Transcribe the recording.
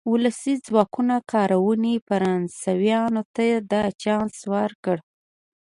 ولسي ځواکونو کارونې فرانسویانو ته دا چانس ورکړ.